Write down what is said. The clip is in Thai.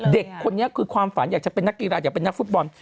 เด็กคนนี้คือความฝันอยากจะเป็นนักกีฬาอยากเป็นนักฟุตบอล